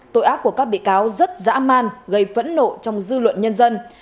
tội ác của các bị cáo rất dã man gây phẫn nộ trong dư luận nhân dân